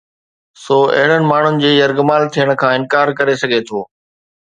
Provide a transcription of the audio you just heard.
سو اهڙن ماڻهن جي يرغمال ٿيڻ کان انڪار ڪري سگهي ٿو.